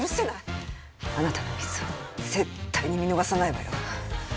あなたのミスは絶対に見逃さないわよ。